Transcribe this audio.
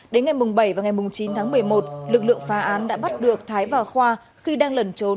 đến ngày bảy và ngày chín tháng một mươi một lực lượng phá án đã bắt được thái và khoa khi đang lẩn trốn